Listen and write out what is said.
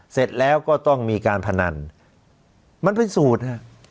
เสร็จแล้วก็ต้องมีการพนันมันเป็นสูตรฮะ